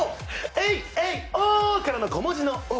えいえいお！からの小文字の「ｏ」